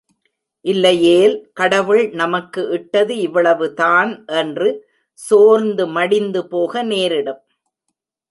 இல்லையேல், கடவுள் நமக்கு இட்டது இவ்வளவுதான் என்று சோர்ந்து மடிந்து போக நேரிடும்.